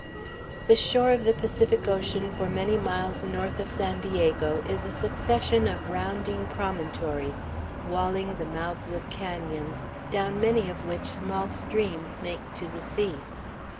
The shore of the Pacific Ocean for many miles north of San Diego is a succession of rounding promontories, walling the mouths of canons, down many of which small streams make to the sea.